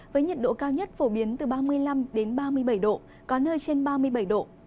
với nhiệt độ cao nhất phổ biến từ ba mươi năm ba mươi bảy độ có nơi trên ba mươi bảy độ